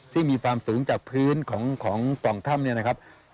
ซึ่งมีความสูงจากพื้นของปล่องถ้ำเนี่ยนะครับ